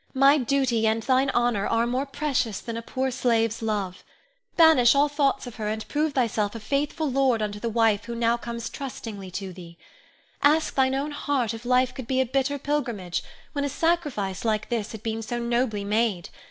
My duty and thine honor are more precious than a poor slave's love. Banish all thoughts of her, and prove thyself a faithful lord unto the wife who comes now trustingly to thee. Ask thine own heart if life could be a bitter pilgrimage, when a sacrifice like this had been so nobly made.